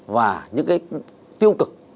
và những tiêu cực